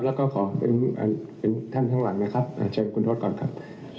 แล้วก็ขอถึงท่านทั้งหลังนะครับช่วยคุณทศก่อนครับ